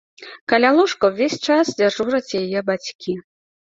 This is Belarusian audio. Каля ложка ўвесь час дзяжураць яе бацькі.